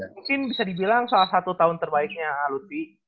mungkin bisa dibilang salah satu tahun terbaiknya lutfi